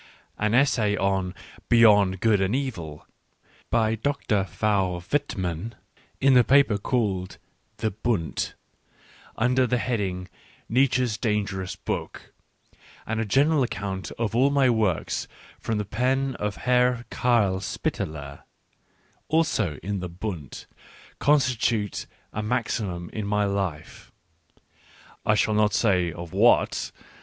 An essay on Beyond Good and Evil, by Dr. V. Widmann in the paper called the Bund, under the heading " Nietzsche's Dangerous Book," and a general account of all my works, from the pen of Herr Karl Spitteler, also in the Bund, constitute a maximum in my life — I shall not say of what.